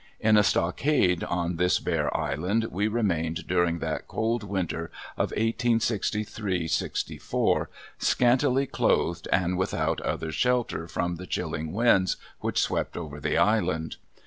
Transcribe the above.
In a stockade on this bare island we remained during that cold winter of 1863 64, scantily clothed and without other shelter from the chilling winds which swept over the island.